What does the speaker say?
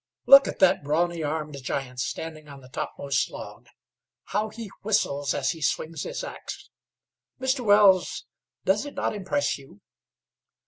Look at that brawny armed giant standing on the topmost log. How he whistles as he swings his ax! Mr. Wells, does it not impress you?"